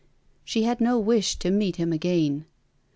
She had no wish to meet him again.